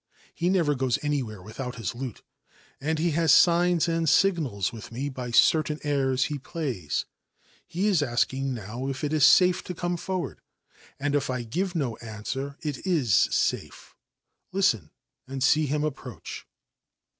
2 never goes anywhere without his lute, and he has ;ns and signals with me by certain airs he plays. He asking now if it is safe to come forward, and if I give answer it is safe. Listen, and see him approach